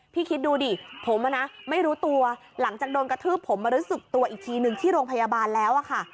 คิดดูดิผมไม่รู้ตัวหลังจากโดนกระทืบผมมารู้สึกตัวอีกทีหนึ่งที่โรงพยาบาลแล้วอะค่ะ